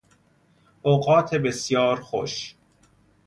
اوقات بسیار خوش